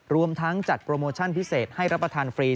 รวมทั้งจัดโปรโมชั่นพิเศษให้รับประทานฟรี